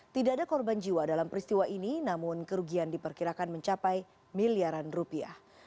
tidak ada korban jiwa dalam peristiwa ini namun kerugian diperkirakan mencapai miliaran rupiah